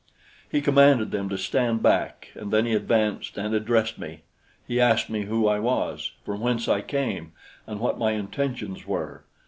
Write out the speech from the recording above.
He commanded them to stand back and then he advanced and addressed me. He asked me who I was, from whence I came and what my intentions were.